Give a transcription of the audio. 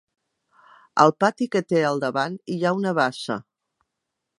Al pati que té al davant hi ha una bassa.